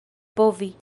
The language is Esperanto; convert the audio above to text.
povi